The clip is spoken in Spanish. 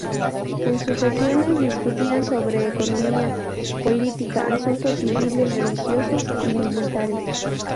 En sus sesiones discutían sobre economía, política, asuntos civiles, religiosos y militares.